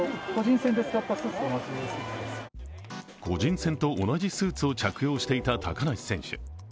個人戦と同じスーツを着用していた高梨選手。